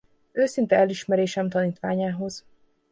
Őszinte elismerésem tanítványához!